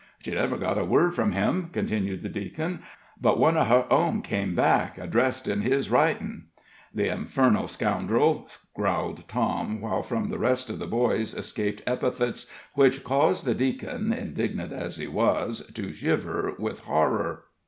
"She never got a word from him," continued the deacon; "but one of her own came back, addressed in his writing." "The infernal scoundrel!" growled Tom, while from the rest of the boys escaped epithets which caused the deacon, indignant as he was, to shiver with horror.